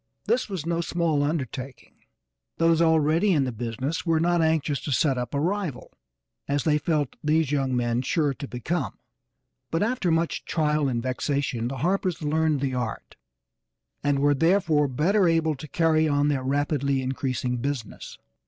This was no small undertaking; those already in the business were not anxious to set up a rival, as they felt these young men sure to become, but after much trial and vexation the Harpers learned the art, and were therefore better able to carry on their rapidly increasing business.